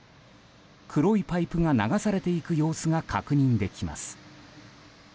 黒いパイプが流されていく様子が確認できます。